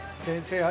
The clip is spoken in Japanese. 先生！